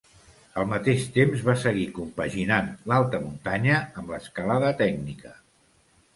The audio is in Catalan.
Al mateix temps va seguir compaginant l'alta muntanya amb l'escalada tècnica.